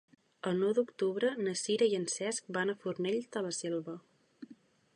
El nou d'octubre na Sira i en Cesc van a Fornells de la Selva.